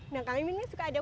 nah kami ini suka ada